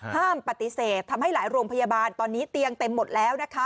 ห้ามปฏิเสธทำให้หลายโรงพยาบาลตอนนี้เตียงเต็มหมดแล้วนะคะ